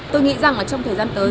tôi nghĩ rằng trong thời gian tới